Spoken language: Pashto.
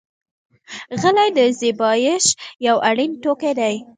غلۍ د زېبایش یو اړین توکی دی.